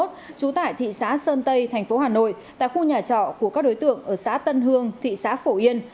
trú tại thị xã sơn tây thành phố hà nội tại khu nhà trọ của các đối tượng ở xã tân hương thị xã phổ yên